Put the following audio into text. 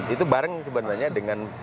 itu barang sebenarnya dengan